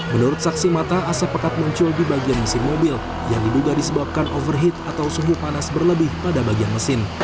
menurut saksi mata asap pekat muncul di bagian mesin mobil yang diduga disebabkan overheat atau suhu panas berlebih pada bagian mesin